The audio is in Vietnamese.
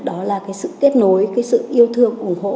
đó là sự kết nối sự yêu thương ủng hộ